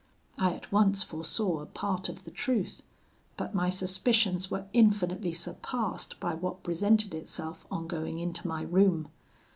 I at once foresaw a part of the truth, but my suspicions were infinitely surpassed by what presented itself on going into my room.